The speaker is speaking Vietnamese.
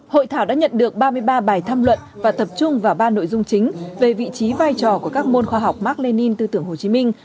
hội thảo đã nhận được ba mươi ba bài tham luận và tập trung vào ba nội dung chính về vị trí vai trò của các môn khoa học mark lenin tư tưởng hồ chí minh